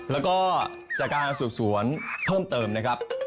แล้วก็จากการสืบสวนเพิ่มเติมนะครับ